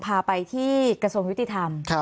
พาไปที่กระทรวงยุติธรรม